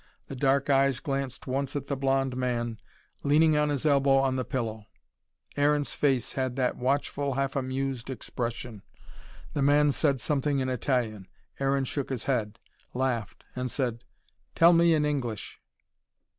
The dark eyes glanced once at the blond man, leaning on his elbow on the pillow. Aaron's face had that watchful, half amused expression. The man said something in Italian. Aaron shook his head, laughed, and said: "Tell me in English."